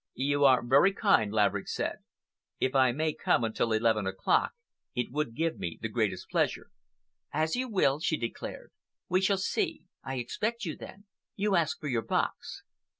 "You are very kind," Laverick said. "If I may come until eleven o'clock, it would give me the greatest pleasure." "As you will," she declared. "We shall see. I expect you, then. You ask for your box."